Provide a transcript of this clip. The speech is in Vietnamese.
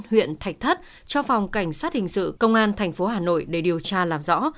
huyện thạch thất cho phòng cảnh sát hình sự công an thành phố hà nội để điều tra làm rõ